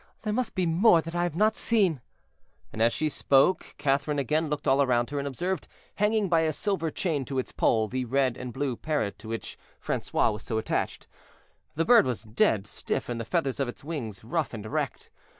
There must be more that I have not seen." And as she spoke Catherine again looked all round her, and observed, hanging by a silver chain to its pole, the red and blue parrot to which Francois was so attached. The bird was dead, stiff, and the feathers of its wings rough and erect.